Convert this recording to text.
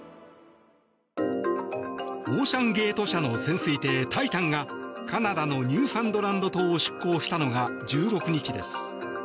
オーシャン・ゲート社の潜水艇「タイタン」がカナダのニューファンドランド島を出航したのが１６日です。